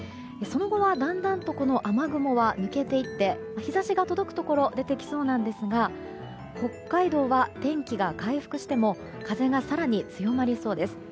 その後はだんだんと雨雲は抜けていって日差しが届くところが出てきそうなんですが北海道は天気が回復しても風が更に強まりそうです。